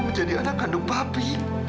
menjadi anak kandung papi